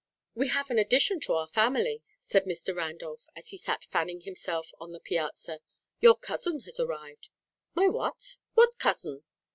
"We have an addition to our family," said Mr. Randolph, as he sat fanning himself on the piazza. "Your cousin has arrived." "My what? What cousin?"